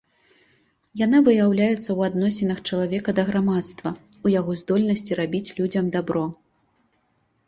Яна выяўляецца ў адносінах чалавека да грамадства, у яго здольнасці рабіць людзям дабро.